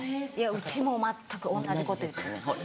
うちも全く同じこと言ってる。